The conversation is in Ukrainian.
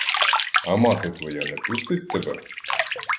А мати твоя не пустить тебе?